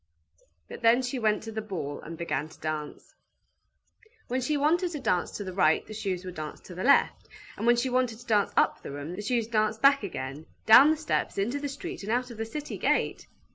But then she went to the ball and began to dance. When she wanted to dance to the right, the shoes would dance to the left, and when she wanted to dance up the room, the shoes danced back again, down the steps, into the street, and out of the city gate.